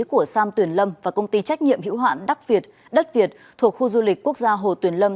của sam tuyền lâm và công ty trách nhiệm hữu hạn đắc việt đất việt thuộc khu du lịch quốc gia hồ tuyền lâm